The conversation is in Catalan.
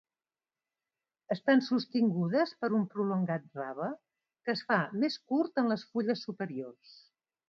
Estan sostingudes per un prolongat rave, que es fa més curt en les fulles superiors.